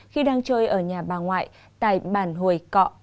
khi đang chơi ở nhà bà ngoại tại bản hồi cọ sài gòn